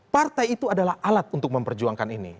partai itu adalah alat untuk memperjuangkan ini